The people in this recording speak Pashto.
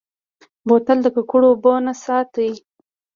بوتل د ککړو اوبو نه ساتي.